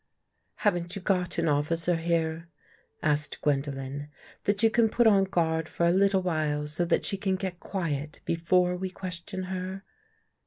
" Haven't you got an officer here," asked Gwen dolen, " that you can put on guard for a little while so that she can get quiet before we question her?